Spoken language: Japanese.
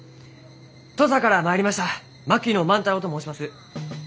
土佐から参りました槙野万太郎と申します。